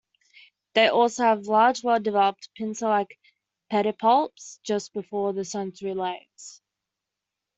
They also have large well-developed pincer-like pedipalps just before the sensory legs.